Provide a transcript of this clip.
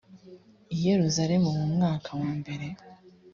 i yerusalemu mu mwaka wambere